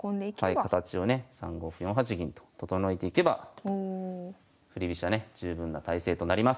形をね３五歩４八銀と整えていけば振り飛車ね十分な態勢となります。